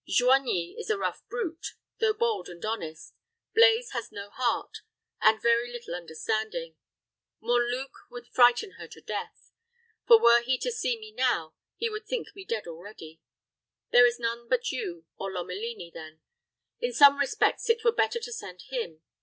Joigni is a rough brute, though bold and honest. Blaize has no heart, and very little understanding. Monluc would frighten her to death; for were he to see me now, he would think me dead already. There is none but you or Lomelini then. In some respects, it were better to send him.